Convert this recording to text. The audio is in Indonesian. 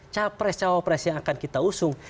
capres cawapres yang akan kita usung